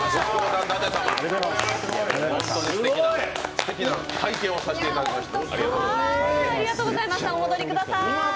すてきな体験をさせていただきました。